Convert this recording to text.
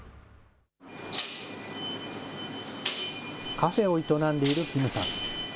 カフェを営んでいるキムさん。